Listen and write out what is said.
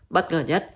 bất ngờ nhất